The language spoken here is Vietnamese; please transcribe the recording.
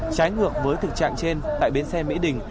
trái ngược với thực trạng trên tại bến xe mỹ đình